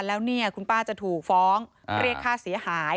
แล้วเนี่ยคุณป้าจะถูกฟ้องเรียกค่าเสียหาย